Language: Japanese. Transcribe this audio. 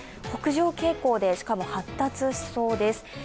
北上傾向でしかも発達しそうです。